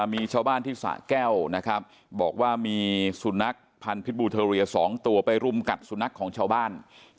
มีชาวบ้านที่สะแก้วนะครับบอกว่ามีสุนัขพันธ์พิษบูเทอเรีย๒ตัวไปรุมกัดสุนัขของชาวบ้าน